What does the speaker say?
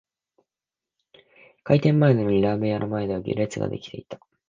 開店前なのにラーメン屋の前では列が出来ていた